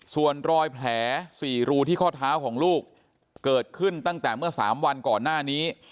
ส่วนรอยแผล๔รูที่ข้อเท้าของลูกเกิดขึ้นตั้งแต่เมื่อ๓วันก่อนหน้านี้